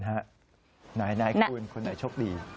ไหนคุณคนไหนโชคดี